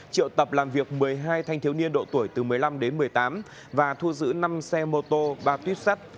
triệu tập làm việc một mươi hai thanh thiếu niên độ tuổi từ một mươi năm đến một mươi tám và thu giữ năm xe mô tô ba tuyếp sắt